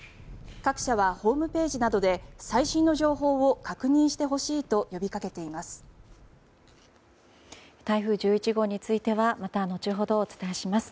各社はホームページなどで最新の情報を確認してほしいと呼びかけています。